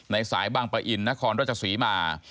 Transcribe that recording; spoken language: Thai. ในสายบางปะอินนครรัชสีมา